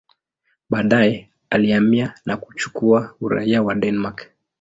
Baadaye alihamia na kuchukua uraia wa Denmark.